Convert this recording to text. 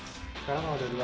sekarang ada dua